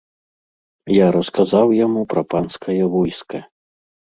Я расказаў яму пра панскае войска.